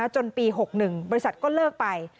จนปี๖๑บริษัทก็เลิกไป